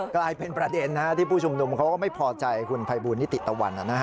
กลายเป็นประเด็นที่ผู้ชุมนุมเขาก็ไม่พอใจคุณภัยบูลนิติตะวัน